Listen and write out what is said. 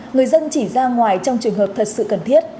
người dân chỉ ra ngoài trong trường hợp thật sự cần thiết